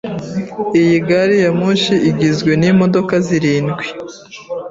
Iyi gari ya moshi igizwe nimodoka zirindwi.